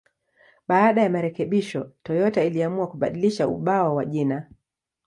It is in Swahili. Baada ya marekebisho, Toyota iliamua kubadilisha ubao wa jina.